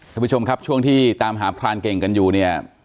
ท่านผู้ชมครับช่วงที่ตามหาพรานเก่งกันอยู่เนี่ย